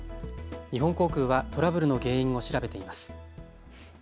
日本航空はトラブルの原因を調べています。